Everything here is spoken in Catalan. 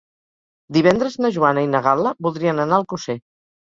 Divendres na Joana i na Gal·la voldrien anar a Alcosser.